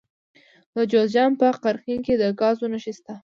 د جوزجان په قرقین کې د ګازو نښې شته.